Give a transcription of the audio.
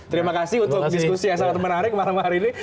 terima kasih untuk diskusi yang sangat menarik malam hari ini